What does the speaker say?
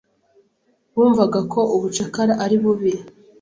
Bumvaga ko ubucakara ari bubi.